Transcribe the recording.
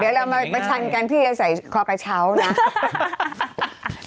เดี๋ยวเรามาประชันกันพี่จะใส่คอกระเช้านะ